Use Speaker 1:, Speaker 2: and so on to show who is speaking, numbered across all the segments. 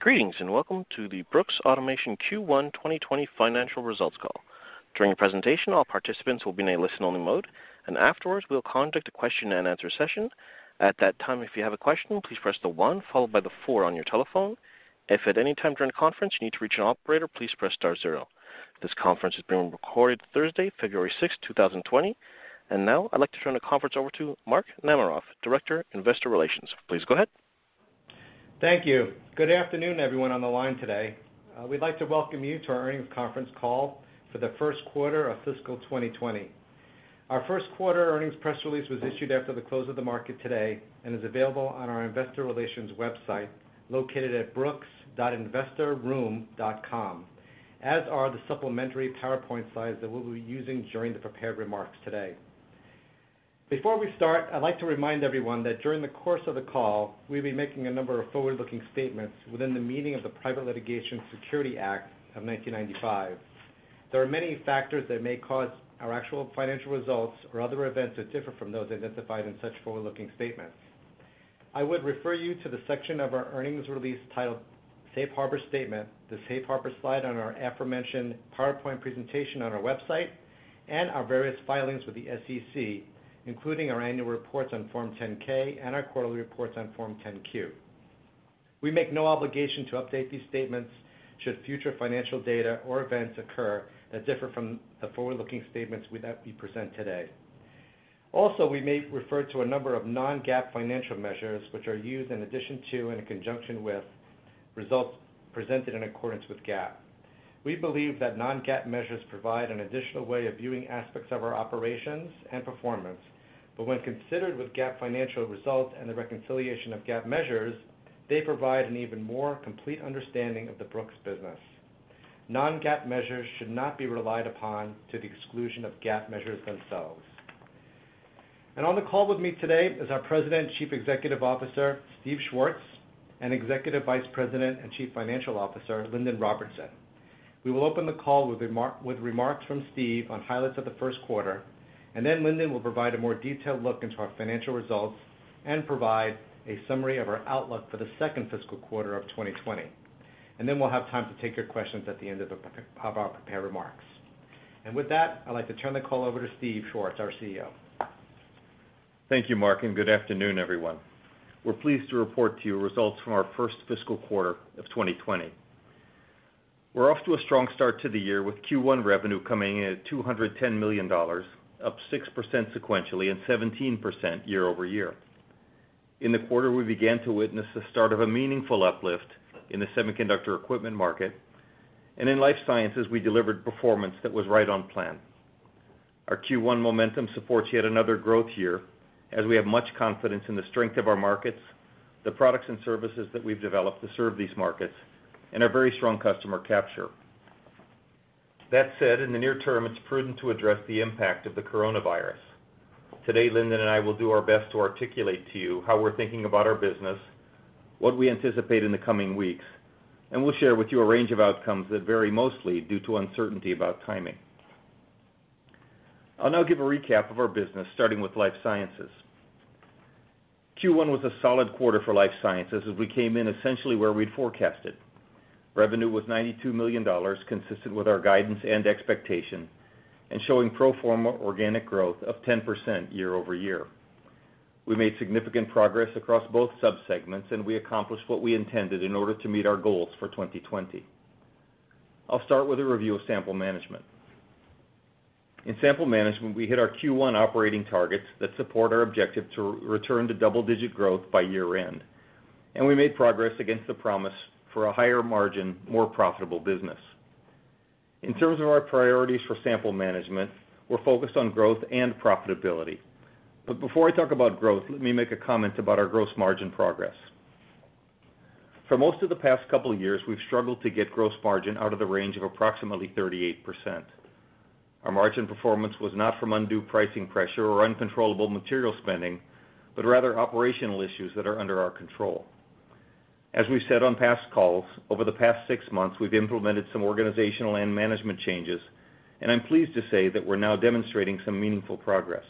Speaker 1: Greetings, welcome to the Brooks Automation Q1 2020 Financial Results Call. During the presentation, all participants will be in a listen-only mode. Afterwards, we will conduct a question and answer session. At that time, if you have a question, please press the one followed by the four on your telephone. If at any time during the conference you need to reach an Operator, please press star zero. This conference is being recorded Thursday, February 6th, 2020. Now I'd like to turn the conference over to Mark Namaroff, Director, Investor Relations. Please go ahead.
Speaker 2: Thank you. Good afternoon, everyone on the line today. We'd like to Welcome you to our Earnings Conference Call for the first quarter of fiscal 2020. Our first quarter earnings press release was issued after the close of the market today and is available on our investor relations website located at brooks.investorroom.com, as are the supplementary PowerPoint slides that we'll be using during the prepared remarks today. Before we start, I'd like to remind everyone that during the course of the call, we'll be making a number of forward-looking statements within the meaning of the Private Securities Litigation Reform Act of 1995. There are many factors that may cause our actual financial results or other events to differ from those identified in such forward-looking statements. I would refer you to the section of our earnings release titled Safe Harbor Statement, the Safe Harbor slide on our aforementioned PowerPoint presentation on our website, and our various filings with the SEC, including our annual reports on Form 10-K and our quarterly reports on Form 10-Q. We make no obligation to update these statements should future financial data or events occur that differ from the forward-looking statements we present today. Also, we may refer to a number of non-GAAP financial measures, which are used in addition to and in conjunction with results presented in accordance with GAAP. We believe that non-GAAP measures provide an additional way of viewing aspects of our operations and performance. When considered with GAAP financial results and the reconciliation of GAAP measures, they provide an even more complete understanding of the Brooks' business. Non-GAAP measures should not be relied upon to the exclusion of GAAP measures themselves. On the call with me today is our President, Chief Executive Officer, Steve Schwartz, and Executive Vice President and Chief Financial Officer, Lindon Robertson. We will open the call with remarks from Steve on highlights of the first quarter, then Lindon will provide a more detailed look into our financial results and provide a summary of our outlook for the second fiscal quarter of 2020. We'll have time to take your questions at the end of our prepared remarks. With that, I'd like to turn the call over to Steve Schwartz, our CEO.
Speaker 3: Thank you, Mark, and good afternoon, everyone. We're pleased to report to you results from our first fiscal quarter of 2020. We're off to a strong start to the year with Q1 revenue coming in at $210 million, up 6% sequentially and 17% year-over-year. In the quarter, we began to witness the start of a meaningful uplift in the semiconductor equipment market, and Life Sciences, we delivered performance that was right on plan. Our Q1 momentum supports yet another growth year as we have much confidence in the strength of our markets, the products and services that we've developed to serve these markets, and our very strong customer capture. That said, in the near term, it's prudent to address the impact of the Coronavirus. Today, Lindon and I will do our best to articulate to you how we're thinking about our business, what we anticipate in the coming weeks, and we'll share with you a range of outcomes that vary mostly due to uncertainty about timing. I'll now give a recap of our business starting Life Sciences. Q1 was a solid quarter Life Sciences as we came in essentially where we'd forecasted. Revenue was $92 million, consistent with our guidance and expectation, and showing pro forma organic growth of 10% year-over-year. We made significant progress across both subsegments, and we accomplished what we intended in order to meet our goals for 2020. I'll start with a review of Sample Management. In Sample Management, we hit our Q1 operating targets that support our objective to return to double-digit growth by year end. We made progress against the promise for a higher margin, more profitable business. In terms of our priorities for Sample Management, we're focused on growth and profitability. Before I talk about growth, let me make a comment about our gross margin progress. For most of the past couple of years, we've struggled to get gross margin out of the range of approximately 38%. Our margin performance was not from undue pricing pressure or uncontrollable material spending, but rather operational issues that are under our control. As we've said on past calls, over the past six months, we've implemented some organizational and management changes. I'm pleased to say that we're now demonstrating some meaningful progress.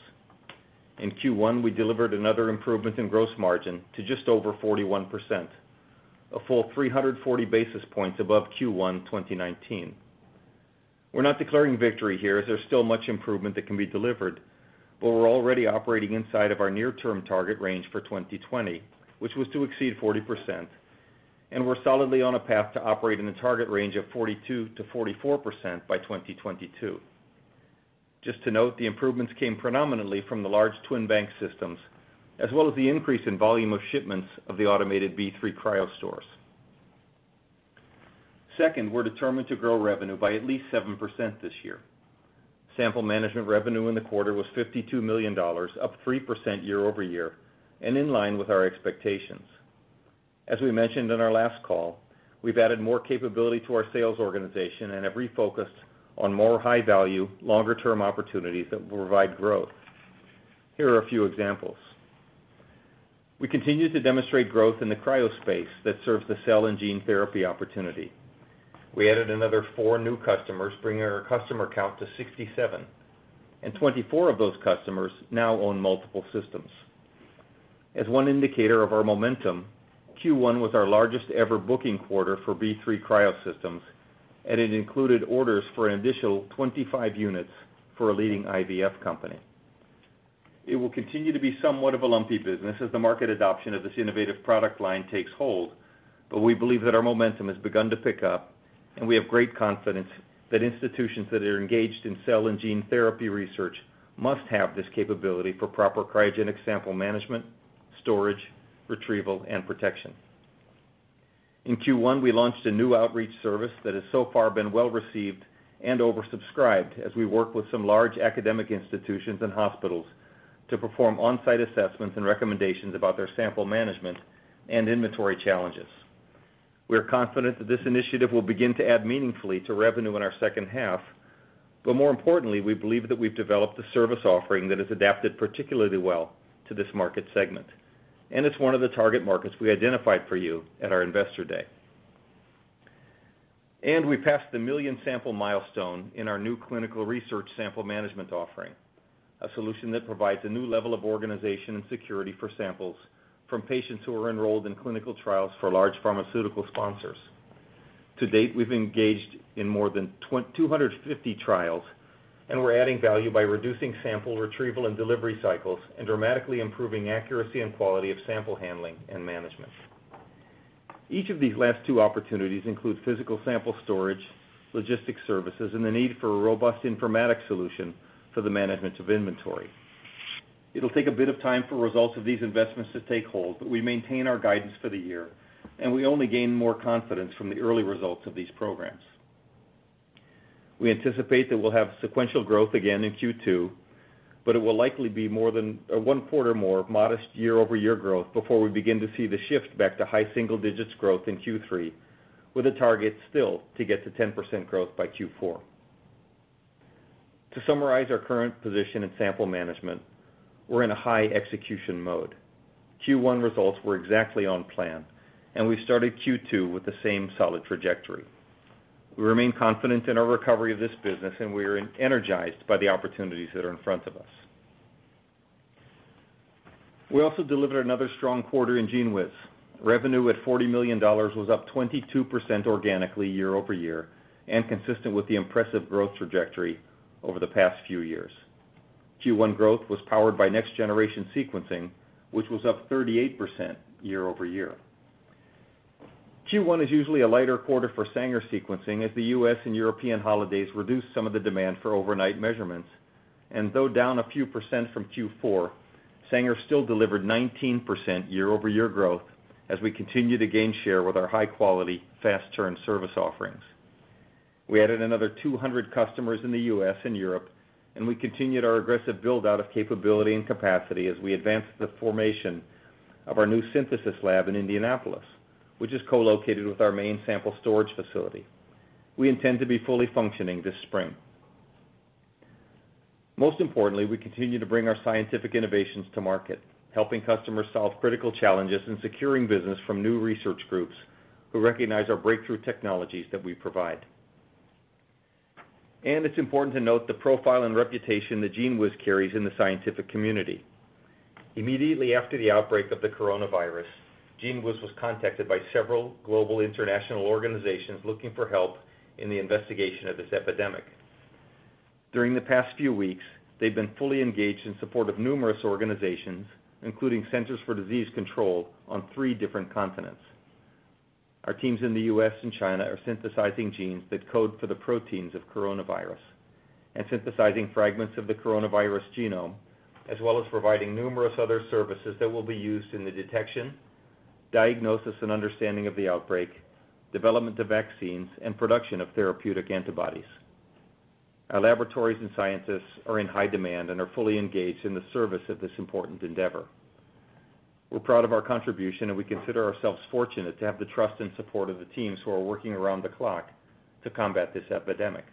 Speaker 3: In Q1, we delivered another improvement in gross margin to just over 41%, a full 340 basis points above Q1 2019. We're not declaring victory here as there's still much improvement that can be delivered, but we're already operating inside of our near-term target range for 2020, which was to exceed 40%, and we're solidly on a path to operate in the target range of 42%-44% by 2022. Just to note, the improvements came predominantly from the large Twin-bank systems, as well as the increase in volume of shipments of the automated B3 Cryo stores. Second, we're determined to grow revenue by at least 7% this year. Sample Management revenue in the quarter was $52 million, up 3% year-over-year, and in line with our expectations. As we mentioned on our last call, we've added more capability to our sales organization and have refocused on more high-value, longer-term opportunities that will provide growth. Here are a few examples. We continue to demonstrate growth in the cryo space that serves the cell and gene therapy opportunity. We added another four new customers, bringing our customer count to 67, and 24 of those customers now own multiple systems. As one indicator of our momentum, Q1 was our largest ever booking quarter for B3 Cryo systems, and it included orders for an additional 25 units for a leading IVF company. It will continue to be somewhat of a lumpy business as the market adoption of this innovative product line takes hold, but we believe that our momentum has begun to pick up, and we have great confidence that institutions that are engaged in cell and gene therapy research must have this capability for proper cryogenic Sample Management, storage, retrieval, and protection. In Q1, we launched a new outreach service that has so far been well-received and oversubscribed, as we work with some large academic institutions and hospitals to perform on-site assessments and recommendations about their Sample Management and inventory challenges. We are confident that this initiative will begin to add meaningfully to revenue in our second half, but more importantly, we believe that we've developed a service offering that has adapted particularly well to this market segment, and it's one of the target markets we identified for you at our Investor Day. And we passed the 1 million sample milestone in our new clinical research Sample Management offering, a solution that provides a new level of organization and security for samples from patients who are enrolled in clinical trials for large pharmaceutical sponsors. To date, we've engaged in more than 250 trials, and we're adding value by reducing sample retrieval and delivery cycles and dramatically improving accuracy and quality of sample handling and management. Each of these last two opportunities include physical sample storage, logistics services, and the need for a robust informatics solution for the management of inventory. It'll take a bit of time for results of these investments to take hold, but we maintain our guidance for the year, and we only gain more confidence from the early results of these programs. We anticipate that we'll have sequential growth again in Q2, but it will likely be more than one quarter more modest year-over-year growth before we begin to see the shift back to high single digits growth in Q3, with a target still to get to 10% growth by Q4. To summarize our current position in Sample Management, we're in a high execution mode. Q1 results were exactly on plan. We started Q2 with the same solid trajectory. We remain confident in our recovery of this business. We are energized by the opportunities that are in front of us. We also delivered another strong quarter in GENEWIZ. Revenue at $40 million was up 22% organically year-over-year, and consistent with the impressive growth trajectory over the past few years. Q1 growth was powered by next-generation sequencing, which was up 38% year-over-year. Q1 is usually a lighter quarter for Sanger sequencing as the U.S. and European holidays reduce some of the demand for overnight measurements. And though down a few percent from Q4, Sanger still delivered 19% year-over-year growth as we continue to gain share with our high-quality, fast-turn service offerings. We added another 200 customers in the U.S. and Europe. We continued our aggressive build-out of capability and capacity as we advanced the formation of our new synthesis lab in Indianapolis, which is co-located with our main sample storage facility. We intend to be fully functioning this spring. Most importantly, we continue to bring our scientific innovations to market, helping customers solve critical challenges and securing business from new research groups who recognize our breakthrough technologies that we provide. It's important to note the profile and reputation that GENEWIZ carries in the scientific community. Immediately after the outbreak of the Coronavirus, GENEWIZ was contacted by several global international organizations looking for help in the investigation of this epidemic. During the past few weeks, they've been fully engaged in support of numerous organizations, including Centers for Disease Control on three different continents. Our teams in the U.S. and China are synthesizing genes that code for the proteins of Coronavirus and synthesizing fragments of the coronavirus genome, as well as providing numerous other services that will be used in the detection, diagnosis, and understanding of the outbreak, development of vaccines, and production of therapeutic antibodies. Our laboratories and scientists are in high demand and are fully engaged in the service of this important endeavor. We're proud of our contribution, and we consider ourselves fortunate to have the trust and support of the teams who are working around the clock to combat this epidemic.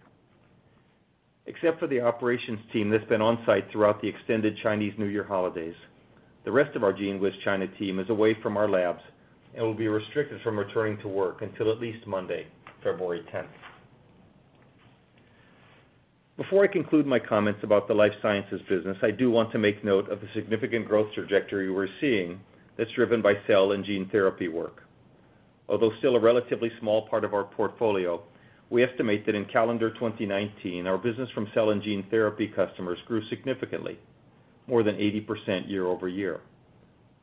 Speaker 3: Except for the operations team that's been on-site throughout the extended Chinese New Year holidays, the rest of our GENEWIZ China team is away from our labs and will be restricted from returning to work until at least Monday, February 10th. Before I conclude my comments about Life Sciences business, I do want to make note of the significant growth trajectory we're seeing that's driven by cell and gene therapy work. Although still a relatively small part of our portfolio, we estimate that in calendar 2019, our business from cell and gene therapy customers grew significantly, more than 80% year-over-year,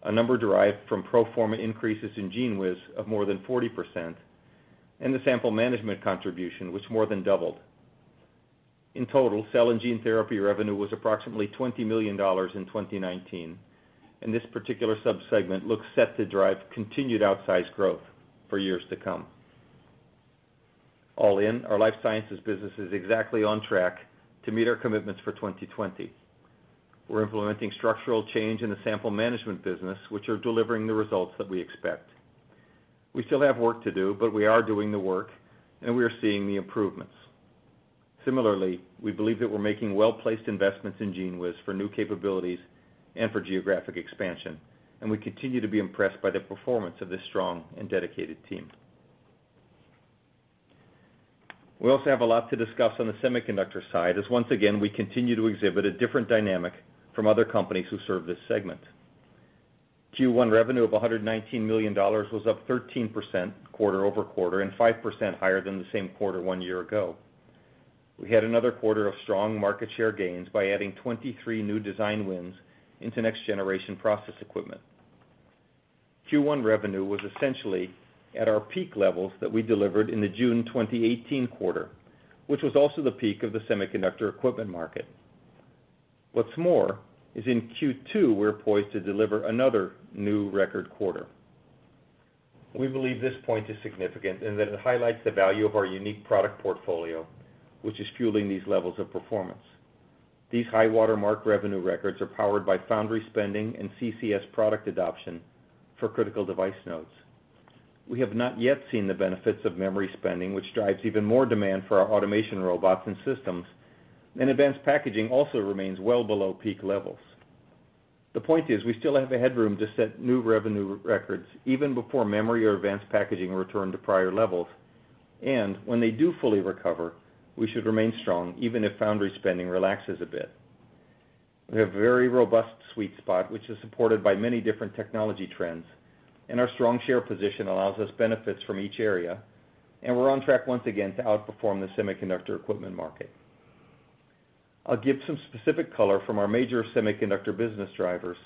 Speaker 3: a number derived from pro forma increases in GENEWIZ of more than 40% and the Sample Management contribution, which more than doubled. In total, cell and gene therapy revenue was approximately $20 million in 2019, and this particular subsegment looks set to drive continued outsized growth for years to come. All in, Life Sciences business is exactly on track to meet our commitments for 2020. We're implementing structural change in the Sample Management business, which are delivering the results that we expect. We still have work to do, but we are doing the work, and we are seeing the improvements. Similarly, we believe that we're making well-placed investments in GENEWIZ for new capabilities and for geographic expansion, and we continue to be impressed by the performance of this strong and dedicated team. We also have a lot to discuss on the semiconductor side, as once again, we continue to exhibit a different dynamic from other companies who serve this segment. Q1 revenue of $119 million was up 13% quarter-over-quarter, and 5% higher than the same quarter one year ago. We had another quarter of strong market share gains by adding 23 new design wins into next-generation process equipment. Q1 revenue was essentially at our peak levels that we delivered in the June 2018 quarter, which was also the peak of the semiconductor equipment market. What's more, is in Q2, we're poised to deliver another new record quarter. We believe this point is significant, and that it highlights the value of our unique product portfolio, which is fueling these levels of performance. These high-water mark revenue records are powered by foundry spending and CCS product adoption for critical device nodes. We have not yet seen the benefits of memory spending, which drives even more demand for our automation robots and systems, and advanced packaging also remains well below peak levels. The point is, we still have a headroom to set new revenue records, even before memory or advanced packaging return to prior levels. When they do fully recover, we should remain strong, even if foundry spending relaxes a bit. We have a very robust sweet spot, which is supported by many different technology trends, and our strong share position allows us benefits from each area, and we're on track once again to outperform the semiconductor equipment market. I'll give some specific color from our major semiconductor business drivers: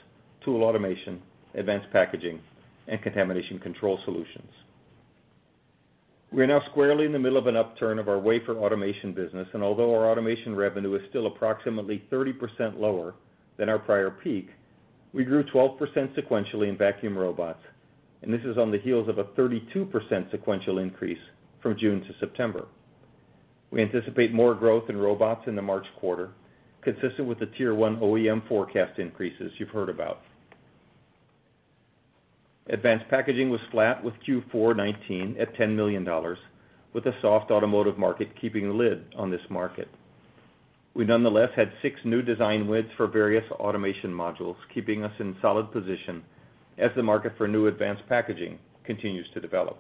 Speaker 3: tool automation, advanced packaging, and Contamination Control Solutions. We are now squarely in the middle of an upturn of our wafer automation business, and although our automation revenue is still approximately 30% lower than our prior peak, we grew 12% sequentially in Vacuum Robots, and this is on the heels of a 32% sequential increase from June to September. We anticipate more growth in robots in the March quarter, consistent with the Tier 1 OEM forecast increases you've heard about. Advanced packaging was flat with Q4 2019 at $10 million, with a soft automotive market keeping a lid on this market. We nonetheless had six new design wins for various automation modules, keeping us in solid position as the market for new advanced packaging continues to develop.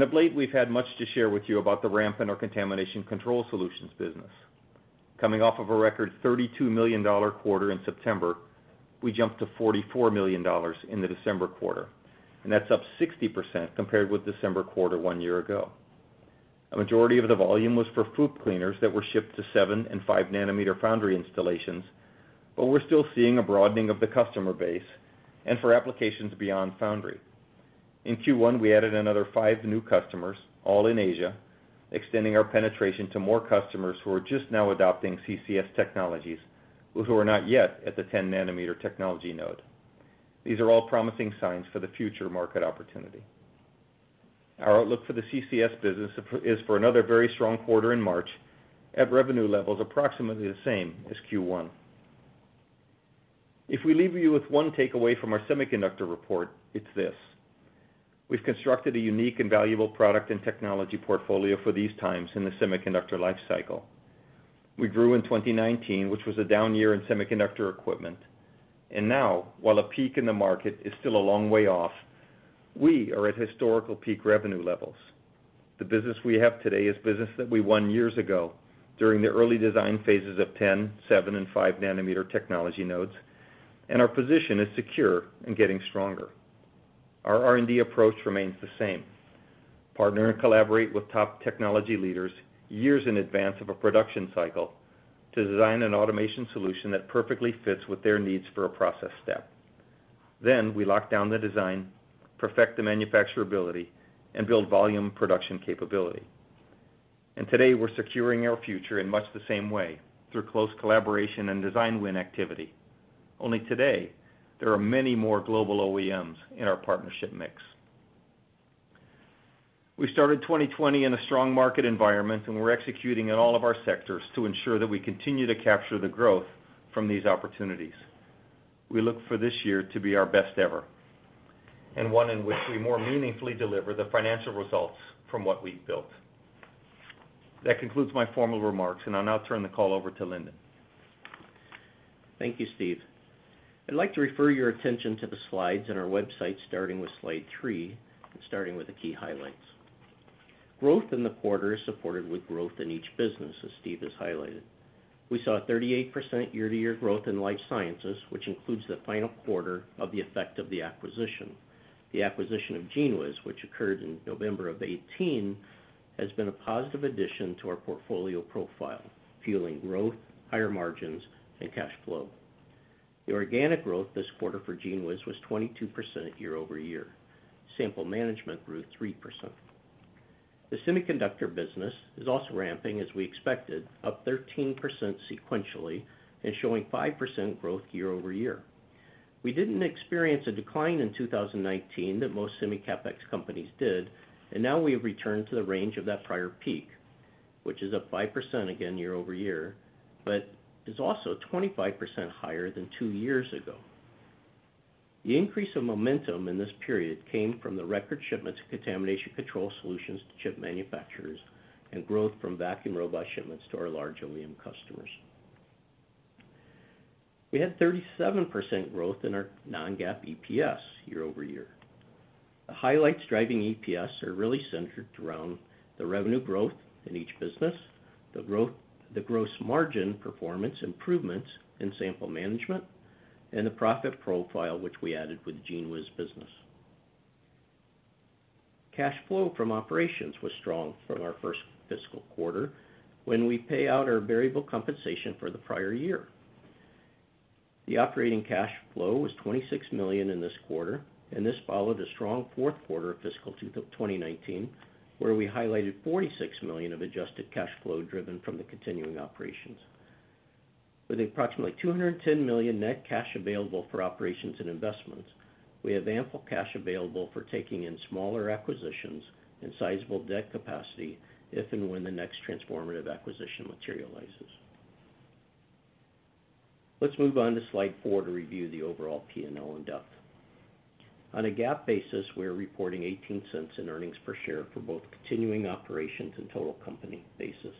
Speaker 3: Of late, we've had much to share with you about the ramp in our Contamination Control Solutions business. Coming off of a record $32 million quarter in September, we jumped to $44 million in the December quarter, and that's up 60% compared with December quarter one year ago. A majority of the volume was for FOUP cleaners that were shipped to seven and five nanometer foundry installations, we're still seeing a broadening of the customer base and for applications beyond foundry. In Q1, we added another five new customers, all in Asia, extending our penetration to more customers who are just now adopting CCS technologies, who are not yet at the 10 nm technology node. These are all promising signs for the future market opportunity. Our outlook for the CCS business is for another very strong quarter in March, at revenue levels approximately the same as Q1. If we leave you with one takeaway from our semiconductor report, it's this: We've constructed a unique and valuable product and technology portfolio for these times in the semiconductor life cycle. We grew in 2019, which was a down year in semiconductor equipment, and now, while a peak in the market is still a long way off, we are at historical peak revenue levels. The business we have today is business that we won years ago during the early design phases of 10 nm, 7nm, and 5nm technology nodes, and our position is secure and getting stronger. Our R&D approach remains the same: partner and collaborate with top technology leaders years in advance of a production cycle to design an automation solution that perfectly fits with their needs for a process step. Then, we lock down the design, perfect the manufacturability, and build volume production capability. Today, we're securing our future in much the same way, through close collaboration and design win activity. Only today, there are many more global OEMs in our partnership mix. We started 2020 in a strong market environment, and we're executing in all of our sectors to ensure that we continue to capture the growth from these opportunities. We look for this year to be our best ever, and one in which we more meaningfully deliver the financial results from what we've built. That concludes my formal remarks, and I'll now turn the call over to Lindon.
Speaker 4: Thank you, Steve. I'd like to refer your attention to the slides in our website, starting with slide three, and starting with the key highlights. Growth in the quarter is supported with growth in each business, as Steve has highlighted. We saw a 38% year-to-year growth Life Sciences, which includes the final quarter of the effect of the acquisition. The acquisition of GENEWIZ, which occurred in November of 2018, has been a positive addition to our portfolio profile, fueling growth, higher margins, and cash flow. The organic growth this quarter for GENEWIZ was 22% year-over-year. Sample Management grew 3%. The Semiconductor business is also ramping as we expected, up 13% sequentially and showing 5% growth year over year. We didn't experience a decline in 2019 that most Semi CapEx companies di, and noow we have returned to the range of that prior peak, which is up 5% again year-over-year, but is also 25% higher than two years ago. The increase of momentum in this period came from the record shipments of Contamination Control Solutions to chip manufacturers and growth from vacuum robot shipments to our large OEM customers. We had 37% growth in our non-GAAP EPS year-over-year. The highlights driving EPS are really centered around the revenue growth in each business, the gross margin performance improvements in Sample Management, and the profit profile, which we added with GENEWIZ business. Cash flow from operations was strong from our first fiscal quarter when we pay out our variable compensation for the prior year. The operating cash flow was $26 million in this quarter. This followed a strong fourth quarter of fiscal 2019, where we highlighted $46 million of adjusted cash flow driven from the continuing operations. With approximately $210 million net cash available for operations and investments, we have ample cash available for taking in smaller acquisitions and sizable debt capacity if and when the next transformative acquisition materializes. Let's move on to slide four to review the overall P&L in depth. On a GAAP basis, we are reporting $0.18 in earnings per share for both continuing operations and total company basis.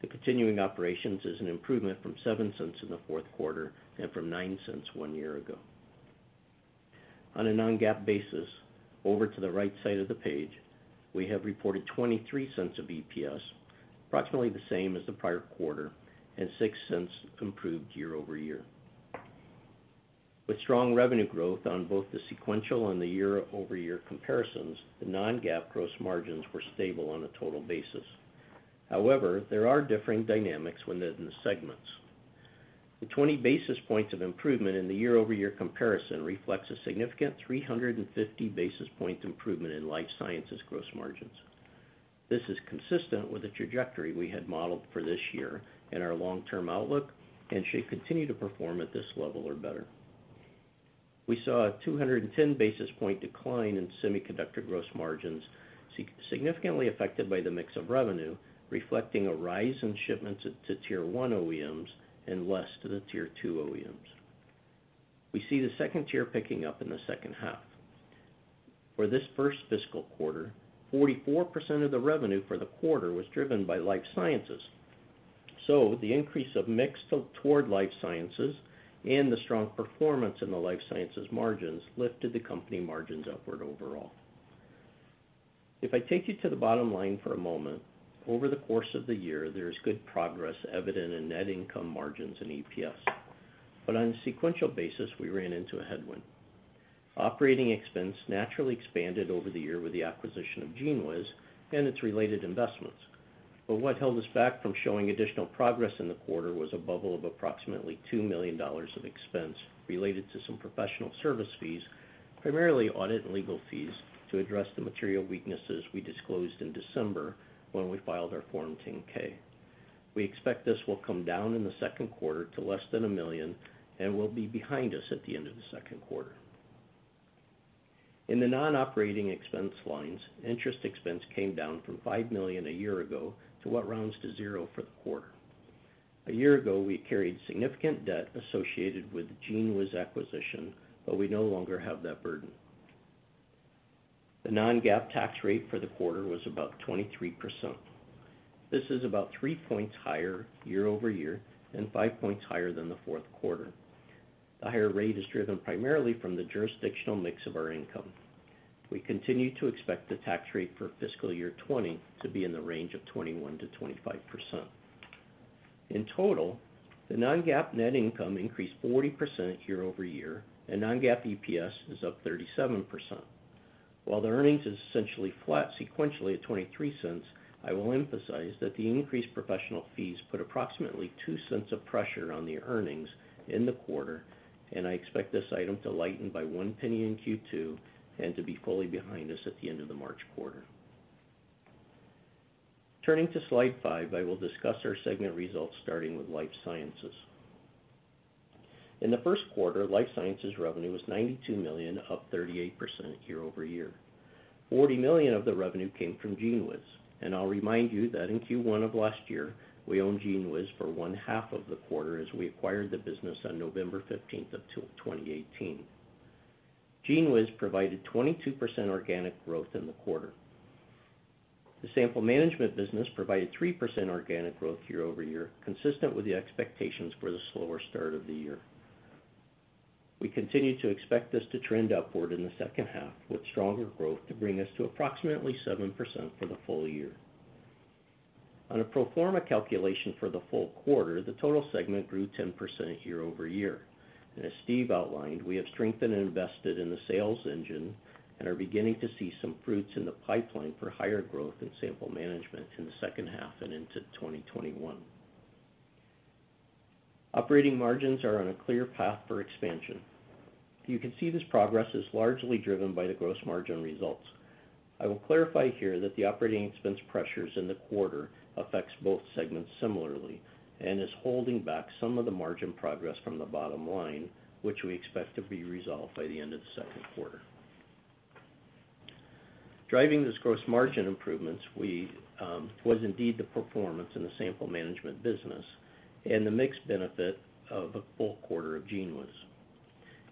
Speaker 4: The continuing operations is an improvement from $0.07 in the fourth quarter and from $0.09 one year ago. On a non-GAAP basis, over to the right side of the page, we have reported $0.23 of EPS, approximately the same as the prior quarter and $0.06 improved year-over-year. With strong revenue growth on both the sequential and the year-over-year comparisons, the non-GAAP gross margins were stable on a total basis. However, there are differing dynamics within the segments. The 20 basis points of improvement in the year-over-year comparison reflects a significant 350 basis point improvement Life Sciences gross margins. This is consistent with the trajectory we had modeled for this year and our long-term outlook and should continue to perform at this level or better. We saw a 210 basis point decline in Semiconductor gross margins, significantly affected by the mix of revenue, reflecting a rise in shipments to Tier 1 OEMs and less to the Tier 2 OEMs. We see the Tier 2 picking up in the second half. For this first fiscal quarter, 44% of the revenue for the quarter was driven by Life Sciences. So. The increase of mix Life Sciences and the strong performance in Life Sciences margins lifted the company margins upward overall. If I take you to the bottom line for a moment, over the course of the year, there is good progress evident in net income margins and EPS. On a sequential basis, we ran into a headwind. Operating expense naturally expanded over the year with the acquisition of GENEWIZ and its related investments. What held us back from showing additional progress in the quarter was a bubble of approximately $2 million of expense related to some professional service fees, primarily audit and legal fees, to address the material weaknesses we disclosed in December when we filed our Form 10-K. We expect this will come down in the second quarter to less than $1 million and will be behind us at the end of the second quarter. In the non-operating expense lines, interest expense came down from $5 million a year ago to what rounds to zero for the quarter. A year ago, we carried significant debt associated with the GENEWIZ acquisition, but we no longer have that burden. The non-GAAP tax rate for the quarter was about 23%. This is about 3 points higher year-over-year and 5 points higher than the fourth quarter. The higher rate is driven primarily from the jurisdictional mix of our income. We continue to expect the tax rate for fiscal year 2020 to be in the range of 21%-25%. In total, the non-GAAP net income increased 40% year-over-year, and non-GAAP EPS is up 37%. While the earnings is essentially flat sequentially at $0.23, I will emphasize that the increased professional fees put approximately $0.02 of pressure on the earnings in the quarter, and I expect this item to lighten by $0.01 in Q2 and to be fully behind us at the end of the March quarter. Turning to slide five, I will discuss our segment results, starting Life Sciences. in the first Life Sciences revenue was $92 million, up 38% year-over-year. $40 million of the revenue came from GENEWIZ, and I'll remind you that in Q1 of last year, we owned GENEWIZ for one half of the quarter as we acquired the business on November 15th of 2018. GENEWIZ provided 22% organic growth in the quarter. The Sample Management business provided 3% organic growth year-over-year, consistent with the expectations for the slower start of the year. We continue to expect this to trend upward in the second half with stronger growth to bring us to approximately 7% for the full year. On a pro forma calculation for the full quarter, the total segment grew 10% year-over-year. As Steve outlined, we have strengthened and invested in the sales engine and are beginning to see some fruits in the pipeline for higher growth in Sample Management in the second half and into 2021. Operating margins are on a clear path for expansion. You can see this progress is largely driven by the gross margin results. I will clarify here that the operating expense pressures in the quarter affects both segments similarly and is holding back some of the margin progress from the bottom line, which we expect to be resolved by the end of the second quarter. Driving this gross margin improvements was indeed the performance in the Sample Management business, and the mixed benefit of a full quarter of GENEWIZ.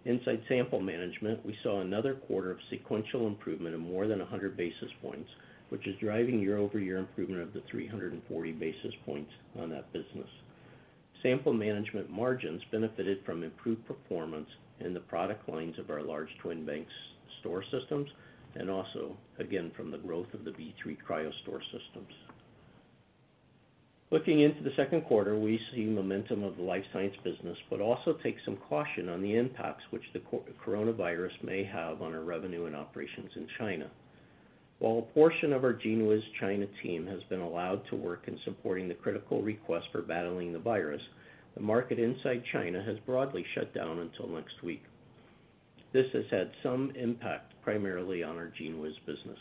Speaker 4: Inside Sample Management, we saw another quarter of sequential improvement of more than 100 basis points, which is driving year-over-year improvement of the 340 basis points on that business. Sample Management margins benefited from improved performance in the product lines of our large Twin-bank store systems, and also, again, from the growth of the B3 Cryo store systems. Looking into the second quarter, we see momentum of the Life Science business, but also take some caution on the impacts which the coronavirus may have on our revenue and operations in China. While a portion of our GENEWIZ China team has been allowed to work in supporting the critical request for battling the virus, the market inside China has broadly shut down until next week. This has had some impact primarily on our GENEWIZ business.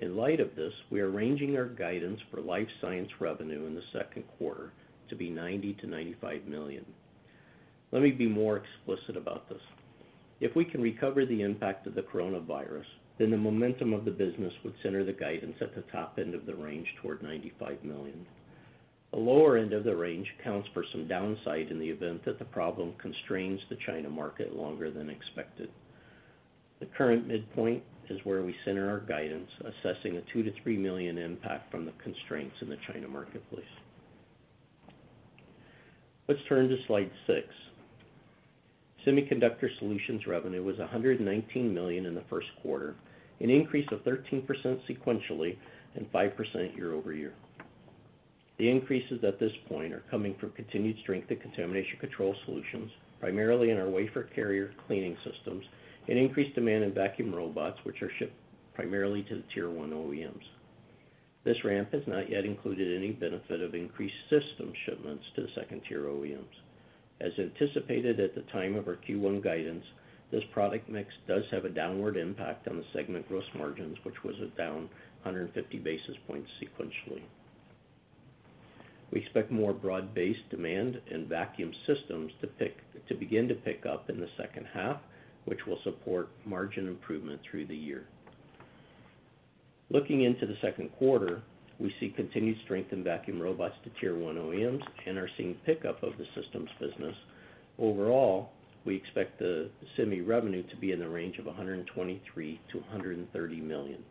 Speaker 4: In light of this, we are ranging our guidance for Life Science revenue in the second quarter to be $90 million-$95 million. Let me be more explicit about this. If we can recover the impact of the coronavirus, then the momentum of the business would center the guidance at the top end of the range toward $95 million. The lower end of the range accounts for some downside in the event that the problem constrains the China market longer than expected. The current midpoint is where we center our guidance, assessing a $2 million to 3 million impact from the constraints in the China marketplace. Let's turn to slide six. Semiconductor solutions revenue was $119 million in the first quarter, an increase of 13% sequentially and 5% year-over-year. The increases at this point are coming from continued strength in Contamination Control Solutions, primarily in our wafer carrier cleaning systems, and increased demand in Vacuum Robots, which are shipped primarily to the Tier 1 OEMs. This ramp has not yet included any benefit of increased system shipments to the second-tier OEMs. As anticipated at the time of our Q1 guidance, this product mix does have a downward impact on the segment gross margins, which was down 150 basis points sequentially. We expect more broad-based demand and vacuum systems to begin to pick up in the second half, which will support margin improvement through the year. Looking into the second quarter, we see continued strength in Vacuum Robots to Tier 1 OEMs and are seeing pickup of the systems business. Overall, we expect the semi revenue to be in the range of $123 million-130 million.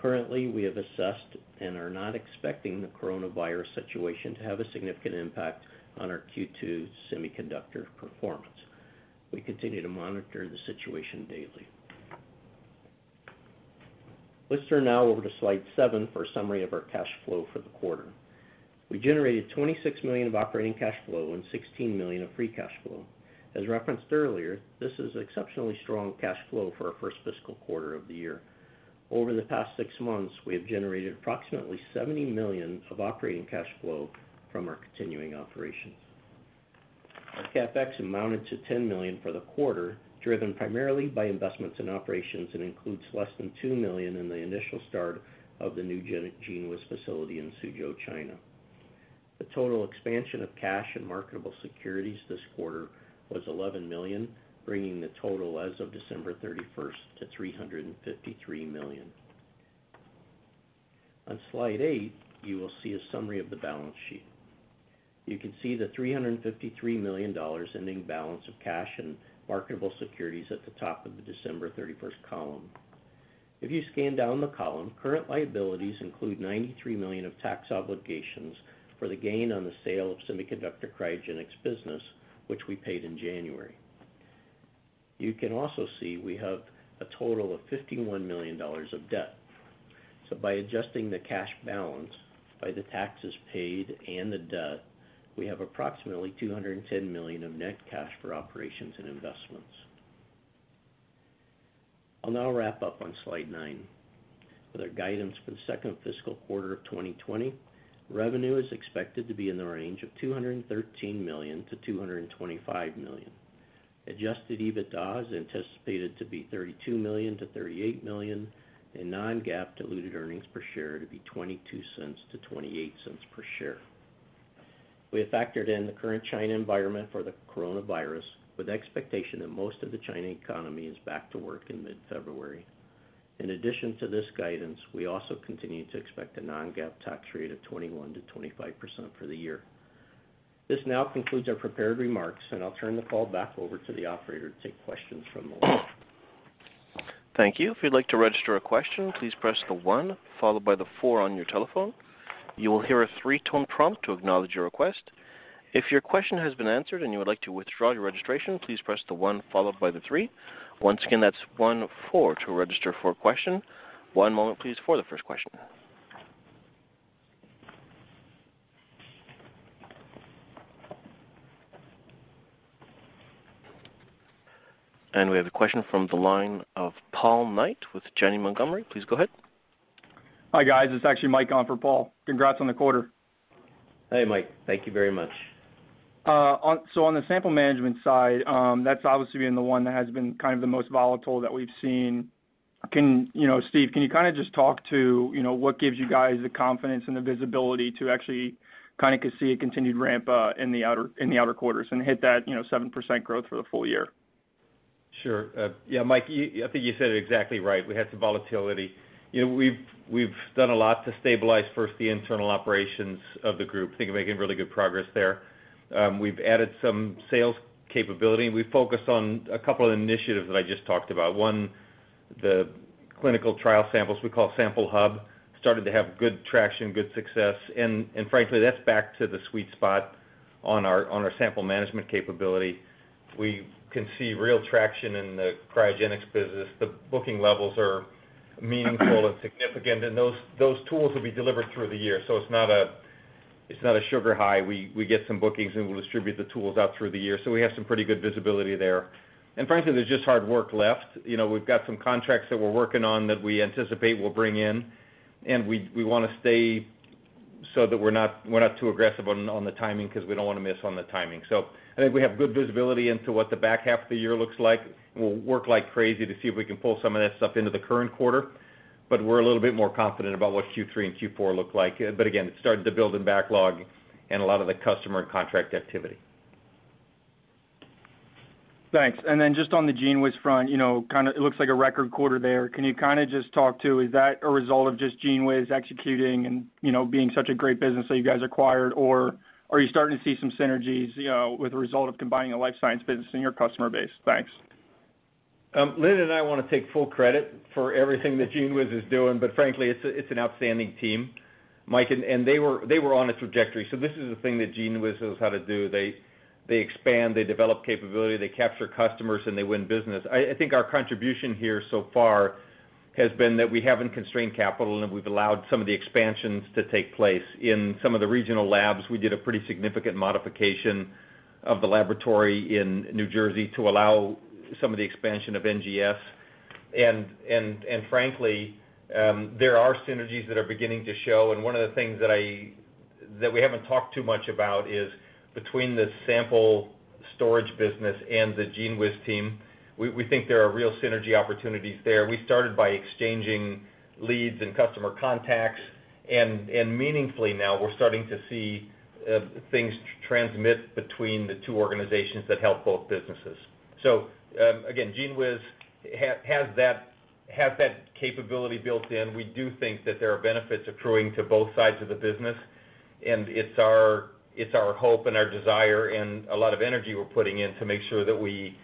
Speaker 4: Currently, we have assessed and are not expecting the Coronavirus situation to have a significant impact on our Q2 semiconductor performance. We continue to monitor the situation daily. Let's turn now over to slide seven for a summary of our cash flow for the quarter. We generated $26 million of operating cash flow and $16 million of free cash flow. As referenced earlier, this is exceptionally strong cash flow for our first fiscal quarter of the year. Over the past six months, we have generated approximately $70 million of operating cash flow from our continuing operations. Our CapEx amounted to $10 million for the quarter, driven primarily by investments in operations, and includes less than $2 million in the initial start of the new GENEWIZ facility in Suzhou, China. The total expansion of cash and marketable securities this quarter was $11 million, bringing the total as of December 31st to $353 million. On slide eight, you will see a summary of the balance sheet. You can see the $353 million ending balance of cash and marketable securities at the top of the December 31st column. If you scan down the column, current liabilities include $93 million of tax obligations for the gain on the sale of Semiconductor Cryogenics business, which we paid in January. You can also see we have a total of $51 million of debt. By adjusting the cash balance by the taxes paid and the debt, we have approximately $210 million of net cash for operations and investments. I'll now wrap up on slide nine. With our guidance for the second fiscal quarter of 2020, revenue is expected to be in the range of $213 million to 225 million. Adjusted EBITDA is anticipated to be $32 million to $38 million, and non-GAAP diluted earnings per share to be $0.22 to 0.28 per share. We have factored in the current China environment for the Coronavirus with expectation that most of the China economy is back to work in mid-February. In addition to this guidance, we also continue to expect a non-GAAP tax rate of 21% to 25% for the year. This now concludes our prepared remarks, and I'll turn the call back over to the Operator to take questions from all of you.
Speaker 1: Thank you. If you'd like to register a question, please press one followed by four on your telephone. You will hear a three-tone prompt to acknowledge your request. If your question has been answered and you would like to withdraw your registration, please press one followed by three. Once again, that's one, four to register for a question. One moment please for the first question. We have a question from the line of Paul Knight with Janney Montgomery. Please go ahead.
Speaker 5: Hi, guys. It's actually Mike on for Paul. Congrats on the quarter.
Speaker 3: Hey, Mike. Thank you very much.
Speaker 5: On the Sample Management side, that's obviously been the one that has been kind of the most volatile that we've seen. In, you know.. Steve, can you just talk to what gives you guys the confidence and the visibility to actually see a continued ramp up in the outer quarters and hit that 7% growth for the full year?
Speaker 3: Sure. Yeah, Mike, I think you said it exactly right. We had some volatility. We've done a lot to stabilize, first, the internal operations of the group. I think we're making really good progress there. We've added some sales capability, and we've focused on a couple of initiatives that I just talked about. One, the clinical trial samples, we call Sample Hub, started to have good traction, good success, and frankly, that's back to the sweet spot on our Sample Management capability. We can see real traction in the cryogenics business. The booking levels are meaningful and significant, and those tools will be delivered through the year. It's not a sugar high. We get some bookings, and we'll distribute the tools out through the year. We have some pretty good visibility there. Frankly, there's just hard work left, you know, we've got some contracts that we're working on that we're anticipate will bring in, and we want to stay so that we're not too aggressive on the timing, because we don't want to miss on the timing. I think we have good visibility into what the back half of the year looks like. We'll work like crazy to see if we can pull some of that stuff into the current quarter, but we're a little bit more confident about what Q3 and Q4 look like. Again, it started to build in backlog and a lot of the customer contract activity.
Speaker 5: Thanks. Just on the GENEWIZ front, it looks like a record quarter there. Can you just talk to, is that a result of just GENEWIZ executing and being such a great business that you guys acquired, or are you starting to see some synergies with the result of combining a Life Science business in your customer base? Thanks.
Speaker 3: Lindon and I want to take full credit for everything that GENEWIZ is doing, but frankly, it's an outstanding team, Mike, and they were on a trajectory. This is the thing that GENEWIZ knows how to do. They expand, they develop capability, they capture customers, and they win business. I think our contribution here so far has been that we haven't constrained capital, and we've allowed some of the expansions to take place. In some of the regional labs, we did a pretty significant modification of the laboratory in New Jersey to allow some of the expansion of NGS. Frankly, there are synergies that are beginning to show, and one of the things that we haven't talked too much about is between the sample storage business and the GENEWIZ team, we think there are real synergy opportunities there. We started by exchanging leads and customer contacts, and meaningfully now, we're starting to see things transmit between the two organizations that help both businesses. Again, GENEWIZ has that capability built in. We do think that there are benefits accruing to both sides of the business, and it's our hope and our desire and a lot of energy we're putting in to make sure that we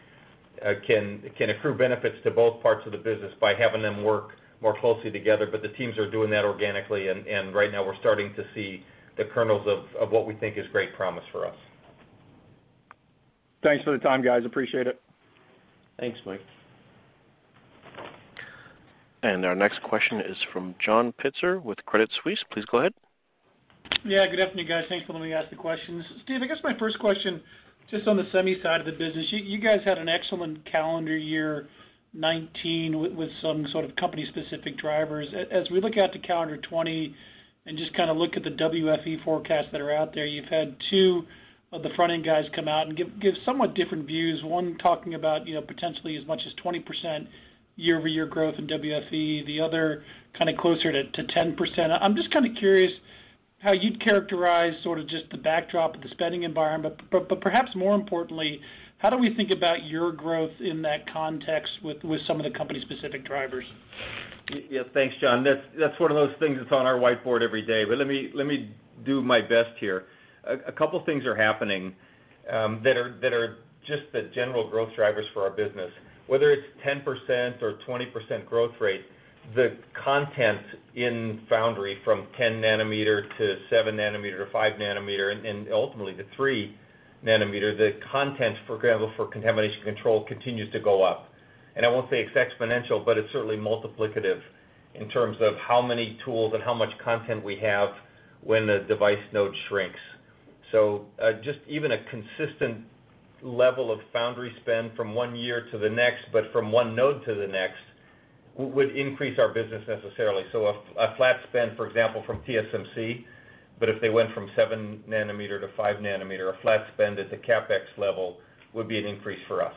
Speaker 3: can accrue benefits to both parts of the business by having them work more closely together. The teams are doing that organically, and right now we're starting to see the kernels of what we think is great promise for us.
Speaker 5: Thanks for the time, guys. Appreciate it.
Speaker 3: Thanks, Mike.
Speaker 1: Our next question is from John Pitzer with Credit Suisse. Please go ahead.
Speaker 6: Good afternoon, guys. Thanks for letting me ask the questions. Steve, I guess my first question, just on the Semi side of the business, you guys had an excellent calendar year 2019 with some sort of company specific drivers. As we look out to calendar 2020 and just look at the WFE forecasts that are out there, you've had two of the front-end guys come out and give somewhat different views. One talking about potentially as much as 20% year-over-year growth in WFE, the other kind of closer to 10%. I'm just kind of curious how you'd characterize sort of just the backdrop of the spending environment. Perhaps more importantly, how do we think about your growth in that context with some of the company specific drivers?
Speaker 3: Yeah, thanks, John. That's one of those things that's on our whiteboard every day. Let me do my best here. A couple things are happening that are just the general growth drivers for our business, whether it's 10% or 20% growth rate, the content in foundry from 10 nm to 7 nm to 5nm, and ultimately to 3 nm, the content, for example, for Contamination Control continues to go up. I won't say it's exponential, but it's certainly multiplicative in terms of how many tools and how much content we have when the device node shrinks. Just even a consistent level of foundry spend from one year to the next, but from one node to the next, would increase our business necessarily. A flat spend, for example, from TSMC, but if they went from 7 nm to 5 nm, a flat spend at the CapEx level would be an increase for us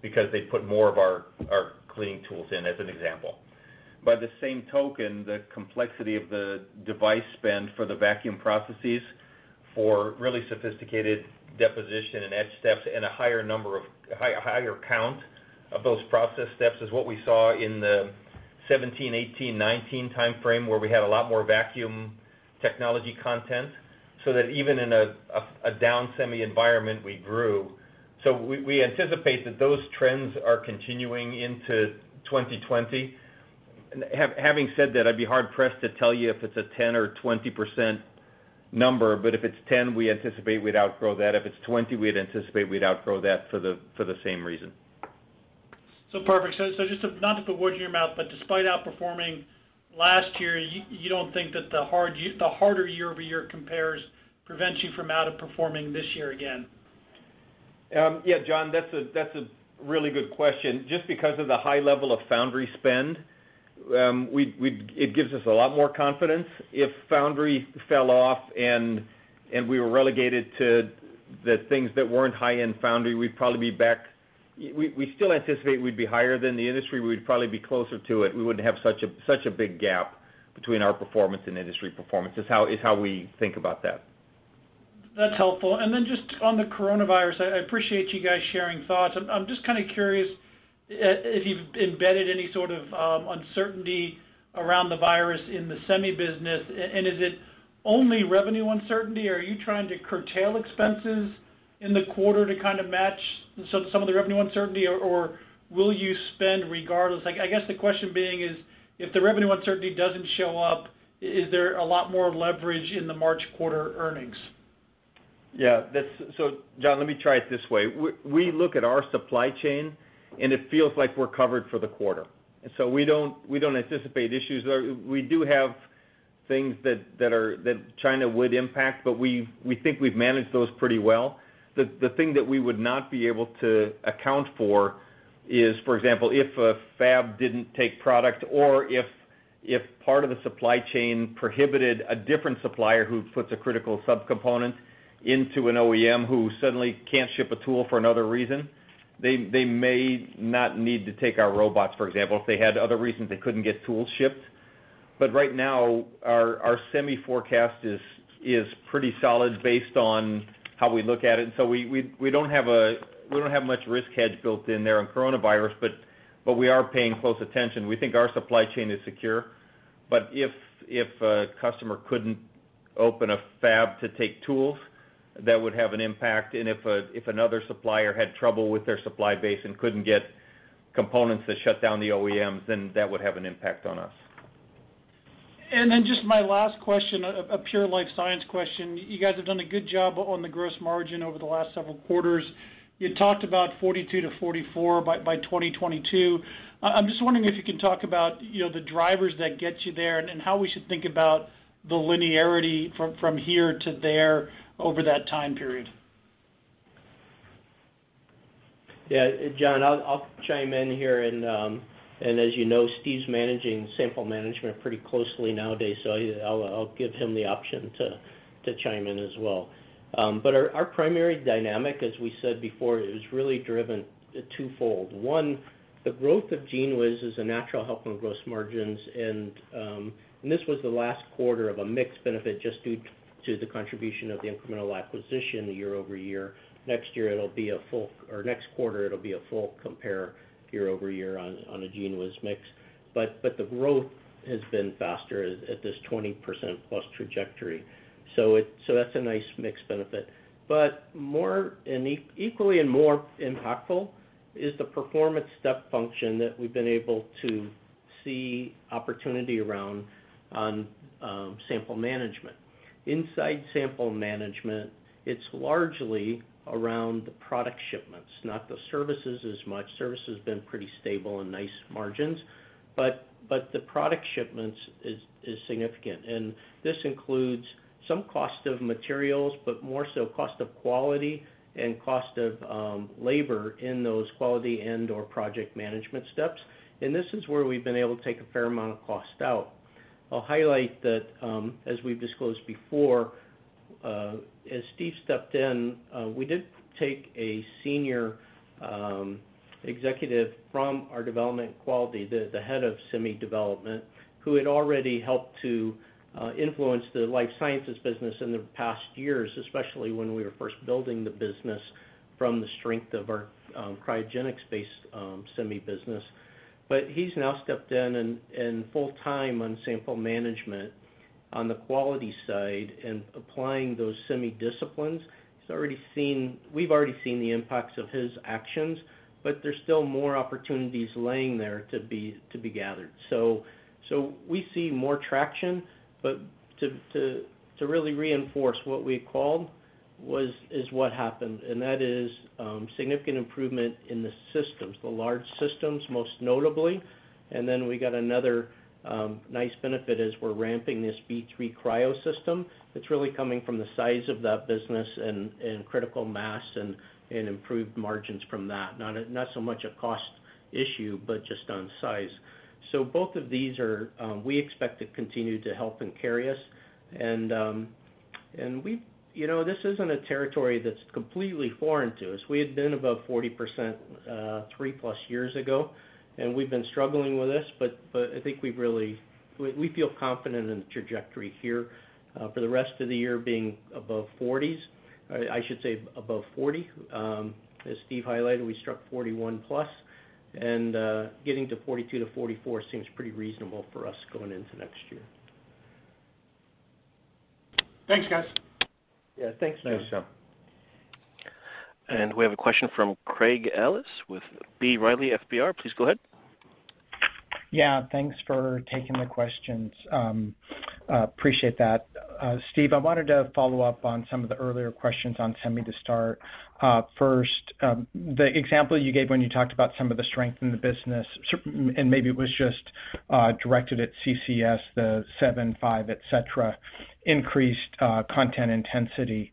Speaker 3: because they'd put more of our cleaning tools in, as an example. By the same token, the complexity of the device spend for the vacuum processes for really sophisticated deposition and etch steps, and a higher count of those process steps is what we saw in the 2017, 2018, 2019 timeframe, where we had a lot more vacuum technology content, so that even in a down Semi environment, we grew. We anticipate that those trends are continuing into 2020. Having said that, I'd be hard-pressed to tell you if it's a 10% or 20% number. If it's 10, we anticipate we'd outgrow that. If it's 20, we'd anticipate we'd outgrow that for the same reason.
Speaker 6: Perfect. Just to, not to put words in your mouth, but despite outperforming last year, you don't think that the harder year-over-year compares prevents you from outperforming this year again?
Speaker 3: Yeah, John, that's a really good question. Just because of the high level of foundry spend, it gives us a lot more confidence. If foundry fell off and we were relegated to the things that weren't high-end foundry, we'd probably be back. We still anticipate we'd be higher than the industry. We'd probably be closer to it. We wouldn't have such a big gap between our performance and industry performance, is how we think about that.
Speaker 6: That's helpful. Just on the Coronavirus, I appreciate you guys sharing thoughts. I'm just kind of curious if you've embedded any sort of uncertainty around the virus in the semi business, is it only revenue uncertainty, or are you trying to curtail expenses in the quarter to kind of match some of the revenue uncertainty, or will you spend regardless? I guess the question being is, if the revenue uncertainty doesn't show up, is there a lot more leverage in the March quarter earnings?
Speaker 3: Yeah. John, let me try it this way. We look at our supply chain, and it feels like we're covered for the quarter. We don't anticipate issues there. We do have things that China would impact, but we think we've managed those pretty well. The thing that we would not be able to account for is, for example, if a fab didn't take product or if part of the supply chain prohibited a different supplier who puts a critical sub-component into an OEM, who suddenly can't ship a tool for another reason, they may not need to take our robots, for example, if they had other reasons they couldn't get tools shipped. Right now, our semi forecast is pretty solid based on how we look at it. We don't have much risk hedge built in there on coronavirus, but we are paying close attention. We think our supply chain is secure, but if a customer couldn't open a fab to take tools, that would have an impact. If another supplier had trouble with their supply base and couldn't get components that shut down the OEMs, then that would have an impact on us.
Speaker 6: Just my last question, a pure Life Science question. You guys have done a good job on the gross margin over the last several quarters. You talked about 42 to 44 by 2022. I'm just wondering if you can talk about the drivers that get you there, and how we should think about the linearity from here to there over that time period.
Speaker 4: Yeah. John, I'll chime in here, and as you know, Steve's managing Sample Management pretty closely nowadays, so I'll give him the option to chime in as well. Our primary dynamic, as we said before, is really drive-- twofold. One, the growth of GENEWIZ is a natural help on gross margins, and this was the last quarter of a mixed benefit just due to the contribution of the incremental acquisition year-over-year. Next quarter, it'll be a full compare year-over-year on the GENEWIZ mix. The growth has been faster at this 20%+ trajectory, so that's a nice mixed benefit. Equally and more impactful is the performance step function that we've been able to see opportunity around on Sample Management. Inside Sample Management, it's largely around the product shipments, not the services as much. Service has been pretty stable and nice margins. But the product shipments is significant, and this includes some cost of materials, but more so cost of quality and cost of labor in those quality and/or project management steps. This is where we've been able to take a fair amount of cost out. I'll highlight that, as we've disclosed before, as Steve stepped in, we did take a senior executive from our development quality, the head of semi development, who had already helped to influence Life Sciences business in the past years, especially when we were first building the business from the strength of our cryogenics-based semi business. He's now stepped in and full-time on Sample Management on the quality side and applying those semi disciplines. We've already seen the impacts of his actions, but there's still more opportunities laying there to be gathered. So, we see more traction. To really reinforce what we called is what happened, and that is significant improvement in the systems, the large systems, most notably. We got another nice benefit as we're ramping this B3 Cryo system. It's really coming from the size of that business and critical mass and improved margins from that. Not so much a cost issue, but just on size. So both of these we expect to continue to help and carry us. And you know, this isn't a territory that's completely foreign to us. We had been above 40% 3+ years ago, and we've been struggling with this, but I think we feel confident in the trajectory here for the rest of the year being above 40%. I should say above 40%. As Steve highlighted, we struck 41+%, and getting to 42%-44% seems pretty reasonable for us going into next year.
Speaker 6: Thanks, guys.
Speaker 4: Yeah. Thanks, John.
Speaker 3: Thanks, John.
Speaker 1: We have a question from Craig Ellis with B. Riley FBR. Please go ahead.
Speaker 7: Yeah. Thanks for taking the questions. Appreciate that. Steve, I wanted to follow up on some of the earlier questions on semi to start. First, the example you gave when you talked about some of the strength in the business, and maybe it was just directed at CCS, the seven, five, et cetera, increased content intensity.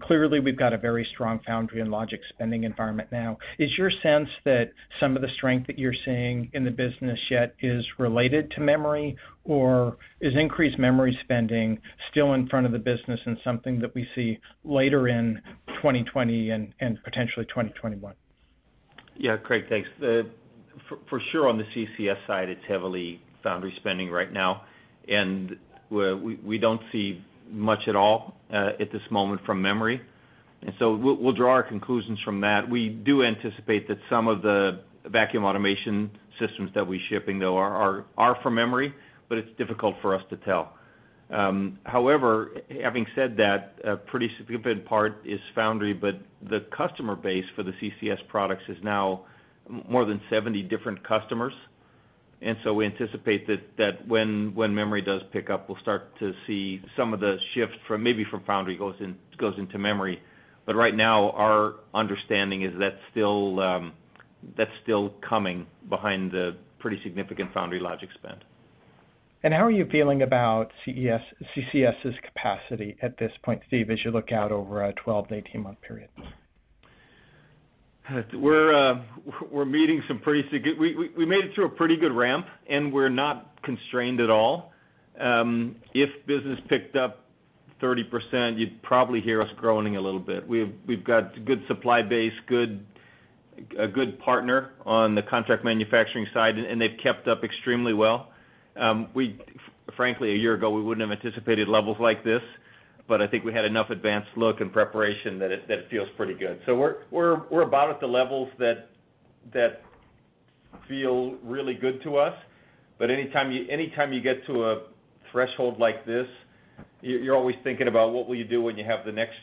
Speaker 7: Clearly, we've got a very strong foundry and logic spending environment now. Is your sense that some of the strength that you're seeing in the business yet is related to memory, or is increased memory spending still in front of the business and something that we see later in 2020 and potentially 2021?
Speaker 3: Yeah, Craig. Thanks. For sure on the CCS side, it's heavily foundry spending right now, and we don't see much at all at this moment from memory. We'll draw our conclusions from that. We do anticipate that some of the vacuum automation systems that we're shipping, though, are from memory, but it's difficult for us to tell. However, having said that, a pretty significant part is foundry, but the customer base for the CCS products is now more than 70 different customers. And so, we anticipate that when memory does pick up, we'll start to see some of the shift maybe from foundry goes into memory. Right now, our understanding is that's still coming behind the pretty significant foundry logic spend.
Speaker 7: How are you feeling about CCS's capacity at this point, Steve, as you look out over a 12-18 month period?
Speaker 3: We made it through a pretty good ramp, and we're not constrained at all. If business picked up 30%, you'd probably hear us groaning a little bit. We've got a good supply base, a good partner on the contract manufacturing side, and they've kept up extremely well. Frankly, a year ago, we wouldn't have anticipated levels like this, but I think we had enough advanced look and preparation that it feels pretty good. We're about at the levels that feel really good to us. Anytime you get to a threshold like this, you're always thinking about what will you do when you have the next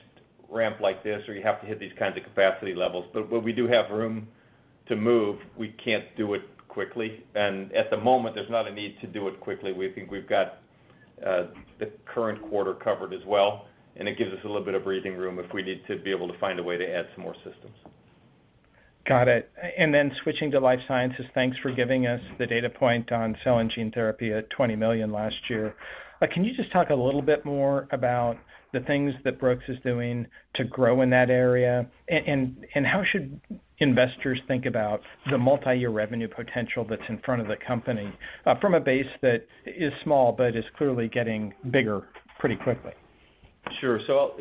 Speaker 3: ramp like this, or you have to hit these kinds of capacity levels. We do have room to move. We can't do it quickly, and at the moment, there's not a need to do it quickly. I think we think we've got the current quarter covered as well, and it gives us a little bit of breathing room if we need to be able to find a way to add some more systems.
Speaker 7: Got it. And then switching Life Sciences, thanks for giving us the data point on cell and gene therapy at $20 million last year. Can you just talk a little bit more about the things that Brooks is doing to grow in that area? How should investors think about the multi-year revenue potential that's in front of the company from a base that is small but is clearly getting bigger pretty quickly?
Speaker 3: Sure.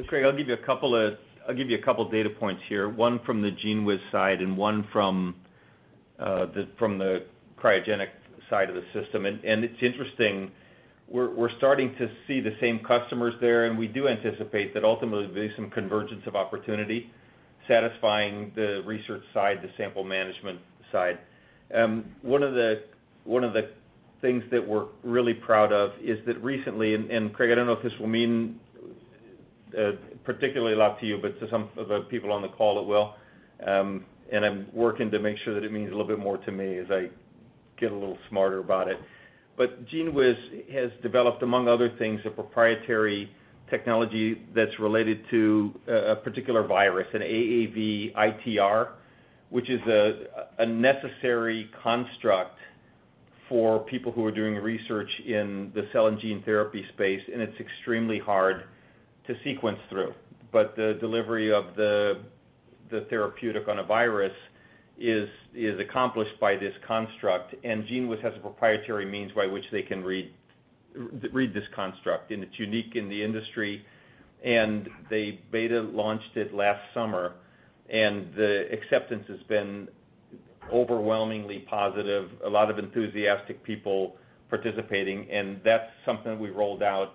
Speaker 3: Craig, I'll give you a couple of data points here, one from the GENEWIZ side and one from the cryogenic side of the system. It's interesting, we're starting to see the same customers there, and we do anticipate that ultimately, there'll be some convergence of opportunity satisfying the research side, the Sample Management side. One of the things that we're really proud of is that recently, and Craig, I don't know if this will mean particularly a lot to you, but to some of the people on the call, it will. I'm working to make sure that it means a little bit more to me as I get a little smarter about it. But GENEWIZ has developed, among other things, a proprietary technology that's related to a particular virus, an AAV ITR, which is a necessary construct for people who are doing research in the cell and gene therapy space, and it's extremely hard to sequence through. The delivery of the therapeutic on a virus is accomplished by this construct, and GENEWIZ has a proprietary means by which they can read this construct, and it's unique in the industry. They beta launched it last summer, and the acceptance has been overwhelmingly positive, a lot of enthusiastic people participating, and that's something we rolled out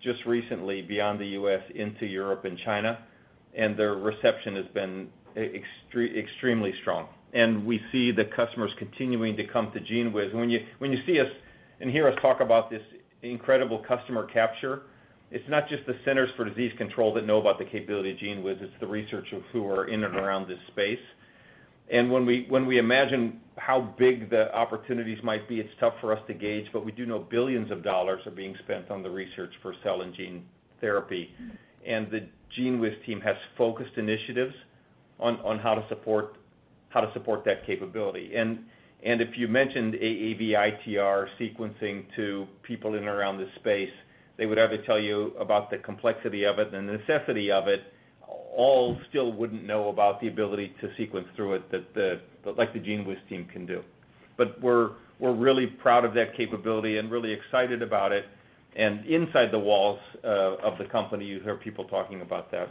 Speaker 3: just recently beyond the U.S. into Europe and China, and the reception has been extremely strong. We see the customers continuing to come to GENEWIZ. When you see us and hear us talk about this incredible customer capture, it's not just the Centers for Disease Control that know about the capability of GENEWIZ, it's the researchers who are in and around this space. And when we-- when we imagine how big the opportunities might be, it's tough for us to gauge, but we do know billions of dollars are being spent on the research for cell and gene therapy, and the GENEWIZ team has focused initiatives on how to support that capability. If you mentioned AAV ITR sequencing to people in and around this space, they would either tell you about the complexity of it and the necessity of it, all still wouldn't know about the ability to sequence through it like the GENEWIZ team can do. We're really proud of that capability and really excited about it. And Inside the walls of the company, you hear people talking about that.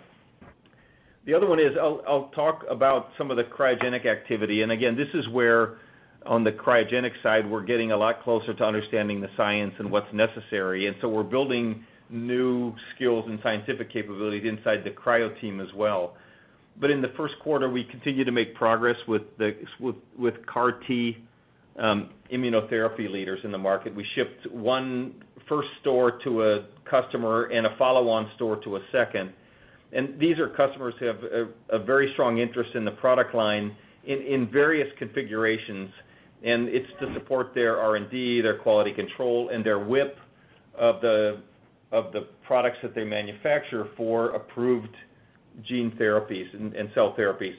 Speaker 3: The other one is, I'll talk about some of the cryogenic activity. Again, this is where on the cryogenic side, we're getting a lot closer to understanding the science and what's necessary. We're building new skills and scientific capabilities inside the cryo team as well. In the first quarter, we continued to make progress with CAR-T immunotherapy leaders in the market. We shipped one first store to a customer and a follow-on store to a second. These are customers who have a very strong interest in the product line in various configurations, and it's to support their R&D, their quality control, and their WIP of the products that they manufacture for approved gene therapies and cell therapies.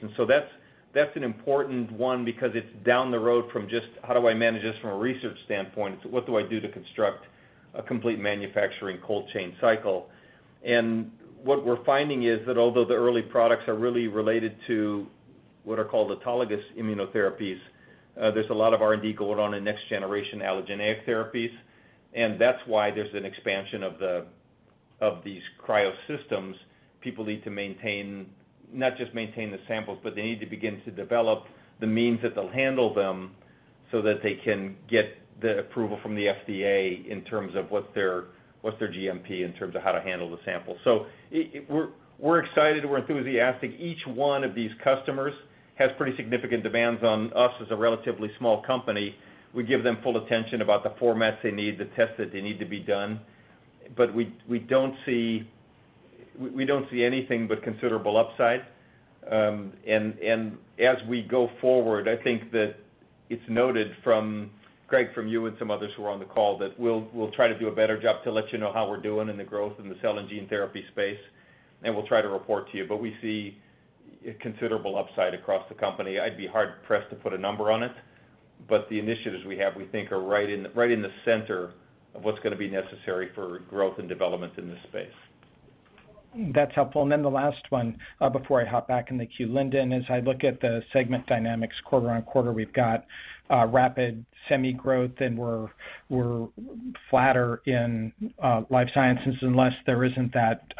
Speaker 3: That's an important one because it's down the road from just how do I manage this from a research standpoint to what do I do to construct a complete manufacturing cold chain cycle. What we're finding is that although the early products are really related to what are called autologous immunotherapies, there's a lot of R&D going on in next generation allogeneic therapies, that's why there's an expansion of these cryo systems, people need to maintain, not just maintain the samples, but they need to begin to develop the means that they'll handle them so that they can get the approval from the FDA in terms of what's their GMP in terms of how to handle the sample. We're excited. We're enthusiastic. Each one of these customers has pretty significant demands on us as a relatively small company. We give them full attention about the formats they need, the tests that they need to be done. We don't see anything but considerable upside. As we go forward, I think that it's noted from Craig, from you and some others who are on the call, that we'll try to do a better job to let you know how we're doing in the growth in the cell and gene therapy space, and we'll try to report to you. What we see is considerable upside across the company. I'd be hard-pressed to put a number on it, but the initiatives we have, we think are right in the center of what's going to be necessary for growth and development in this space.
Speaker 7: That's helpful. The last one before I hop back in the queue. Lindon, as I look at the segment dynamics quarter-on-quarter, we've got rapid semi growth, and we're flatter in Life Sciences unless there isn't that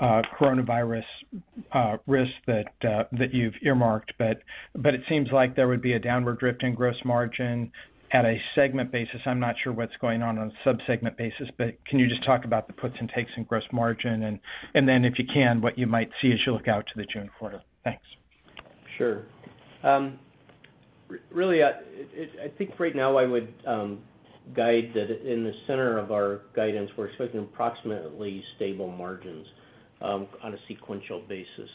Speaker 7: Coronavirus risk that you've earmarked. It seems like there would be a downward drift in gross margin at a segment basis. I'm not sure what's going on a sub-segment basis. Can you just talk about the puts and takes in gross margin? And then if you can, what you might see as you look out to the June quarter. Thanks.
Speaker 4: Sure. Really, I think right now I would guide that in the center of our guidance, we're expecting approximately stable margins on a sequential basis.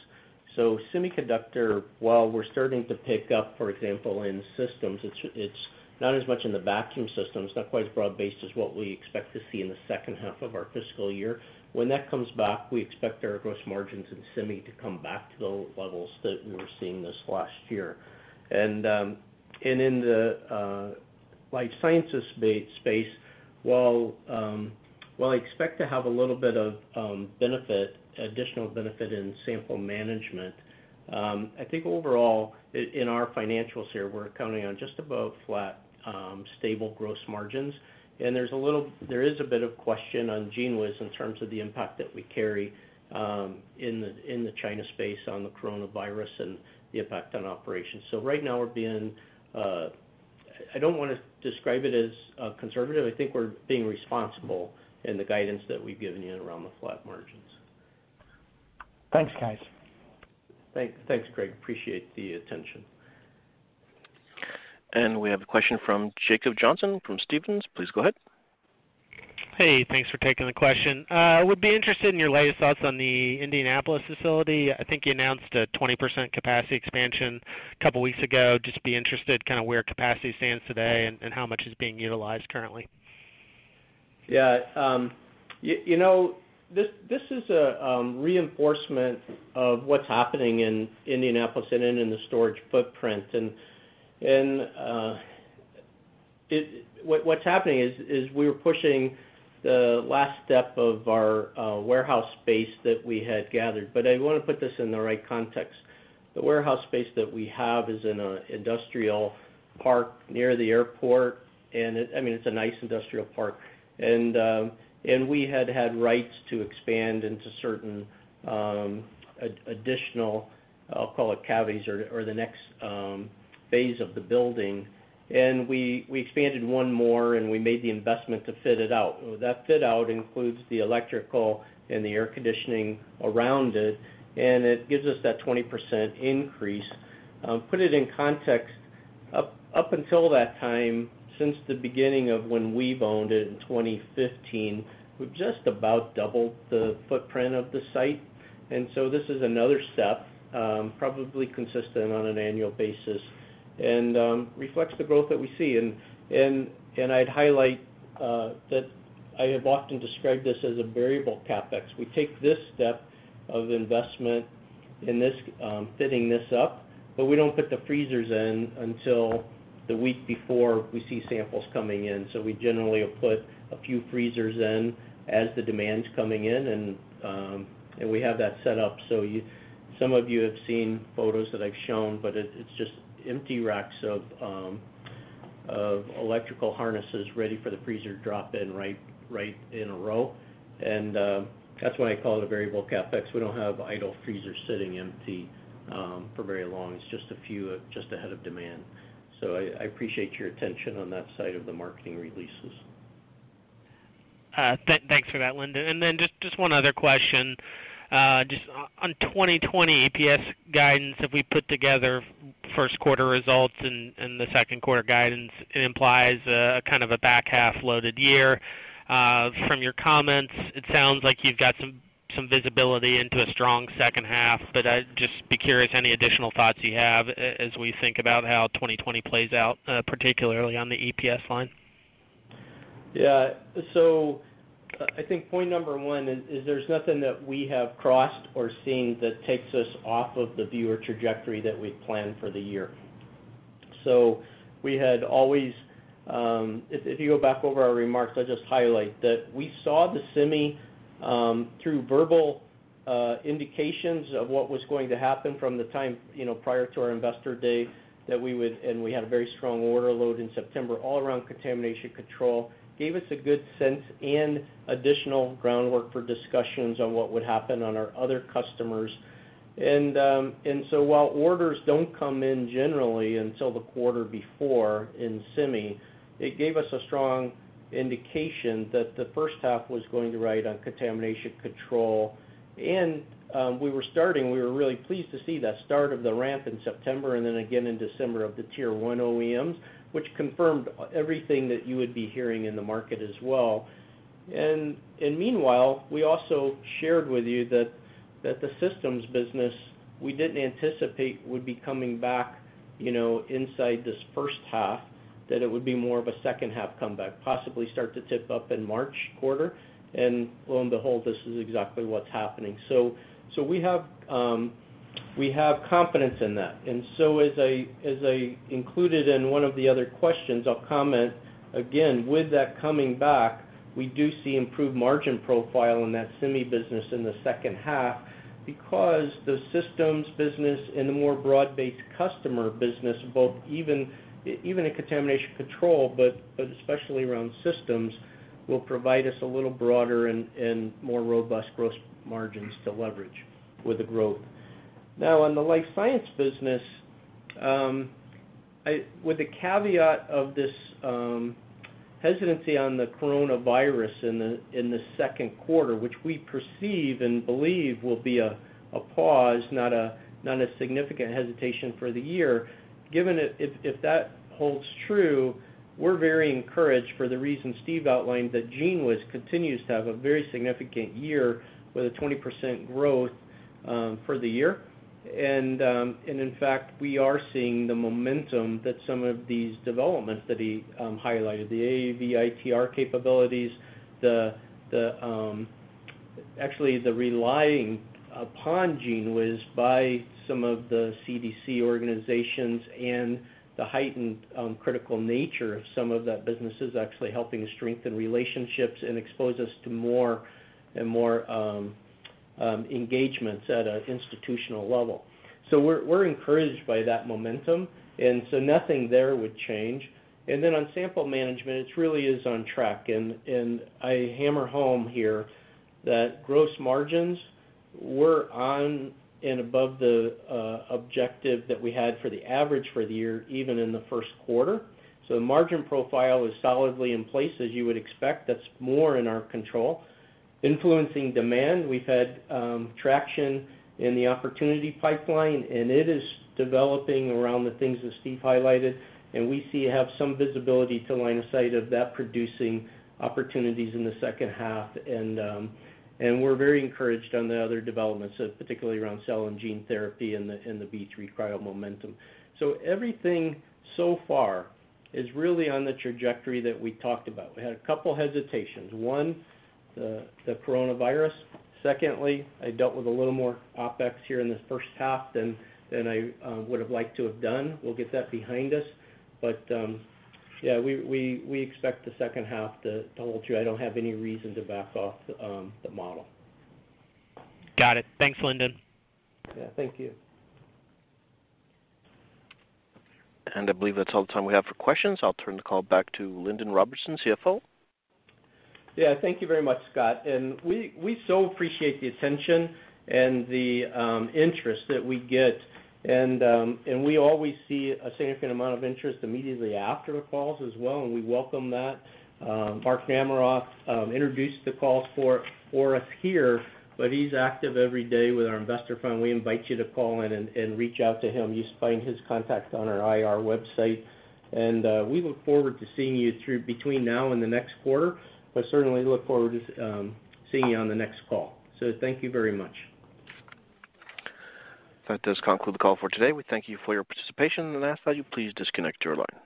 Speaker 4: Semiconductor, while we're starting to pick up, for example, in systems, it's not as much in the vacuum systems, not quite as broad-based as what we expect to see in the second half of our fiscal year. When that comes back, we expect our gross margins in Semi to come back to the levels that we were seeing this last year. In Life Sciences space, while I expect to have a little bit of additional benefit in Sample Management, I think overall, in our financials here, we're counting on just above flat, stable gross margins. There is a bit of question on GENEWIZ in terms of the impact that we carry in the China space on the coronavirus and the effect on operations. Right now, I don't want to describe it as conservative. I think we're being responsible in the guidance that we've given you around the flat margins.
Speaker 7: Thanks, guys.
Speaker 4: Thanks, Craig. Appreciate the attention.
Speaker 1: We have a question from Jacob Johnson from Stephens. Please go ahead.
Speaker 8: Hey, thanks for taking the question. Would be interested in your latest thoughts on the Indianapolis facility. I think you announced a 20% capacity expansion a couple of weeks ago. Just be interested kind of where capacity stands today and how much is being utilized currently?
Speaker 4: Yeah, you know, this is a reinforcement of what's happening in Indianapolis and in the storage footprint. What's happening is we're pushing the last step of our warehouse space that we had gathered. I want to put this in the right context. The warehouse space that we have is in an industrial park near the airport, and it's a nice industrial park. We had had rights to expand into certain additional, I'll call it cavities, or the next phase of the building. We expanded one more, and we made the investment to fit it out. That fit out includes the electrical and the air conditioning around it, and it gives us that 20% increase. Put it in context, up until that time, since the beginning of when we've owned it in 2015, we've just about doubled the footprint of the site. And so this is another step, probably consistent on an annual basis, and reflects the growth that we see. I'd highlight that I have often described this as a variable CapEx. We take this step of investment in fitting this up, but we don't put the freezers in until the week before we see samples coming in. We generally have put a few freezers in as the demand's coming in, and we have that set up. Some of you have seen photos that I've shown, but it's just empty racks of electrical harnesses ready for the freezer drop-in right in a row. That's why I call it a variable CapEx. We don't have idle freezers sitting empty for very long. It's just a few ahead of demand. I appreciate your attention on that side of the marketing releases.
Speaker 8: Thanks for that, Lindon. Just one other question. Just on 2020 EPS guidance, if we put together first quarter results and the second quarter guidance, it implies a kind of a back-half loaded year. From your comments, it sounds like you've got some visibility into a strong second half. I'd just be curious any additional thoughts you have as we think about how 2020 plays out, particularly on the EPS line.
Speaker 4: I think point number one is there's nothing that we have crossed or seen that takes us off of the view trajectory that we've planned for the year. We had always, if you go back over our remarks, I'll just highlight that we saw the Semi through verbal indications of what was going to happen from the time prior to our investor day, and we had a very strong order load in September all around Contamination Control, gave us a good sense and additional groundwork for discussions on what would happen on our other customers. While orders don't come in generally until the quarter before in Semi, it gave us a strong indication that the first half was going to ride on Contamination Control. And we were starting-- were really pleased to see that start of the ramp in September and then again in December of the Tier 1 OEMs, which confirmed everything that you would be hearing in the market as well. Meanwhile, we also shared with you that the systems business, we didn't anticipate would be coming back inside this first half, that it would be more of a second half comeback, possibly start to tip up in March quarter, and lo and behold, this is exactly what's happening. We have confidence in that. As I included in one of the other questions, I'll comment again, with that coming back, we do see improved margin profile in that Semi business in the second half because the systems business and the more broad-based customer business, both even in Contamination Control, but especially around systems, will provide us a little broader and more robust gross margins to leverage with the growth. On the Life Science business, with the caveat of this hesitancy on the Coronavirus in the second quarter, which we perceive and believe will be a pause, not a significant hesitation for the year. Given if that holds true, we're very encouraged for the reasons Steve outlined, that GENEWIZ continues to have a very significant year with a 20% growth for the year. And in fact, we are seeing the momentum that some of these developments that he highlighted, the AAV ITR capabilities, actually the relying upon GENEWIZ by some of the CDC organizations and the heightened critical nature of some of that business is actually helping strengthen relationships and expose us to more and more engagements at an institutional level. So we're encouraged by that momentum, and so nothing there would change. On Sample Management, it really is on track. I hammer home here that gross margins were on and above the objective that we had for the average for the year, even in the first quarter. The margin profile is solidly in place as you would expect. That's more in our control. Influencing demand, we've had traction in the opportunity pipeline. It is developing around the things that Steve highlighted, and we see have some visibility to line of sight of that producing opportunities in the second half. We're very encouraged on the other developments, particularly around cell and gene therapy and the B3 Cryo momentum. Everything so far is really on the trajectory that we talked about. We had two hesitations. One, the coronavirus. Secondly, I dealt with a little more OpEx here in this first half than I would have liked to have done. We'll get that behind us. Yeah, we expect the second half to hold true. I don't have any reason to back off the model.
Speaker 8: Got it. Thanks, Lindon.
Speaker 4: Yeah, thank you.
Speaker 1: I believe that's all the time we have for questions. I'll turn the call back to Lindon Robertson, CFO.
Speaker 4: Yeah, thank you very much, Scott. We so appreciate the attention and the interest that we get. We always see a significant amount of interest immediately after the calls as well, and we welcome that. Mark Namaroff introduced the calls for us here, but he's active every day with our investor firm. We invite you to call in and reach out to him. You just find his contact on our IR website. We look forward to seeing you between now and the next quarter, but certainly look forward to seeing you on the next call. Thank you very much.
Speaker 1: That does conclude the call for today. We thank you for your participation, and I ask that you please disconnect your line.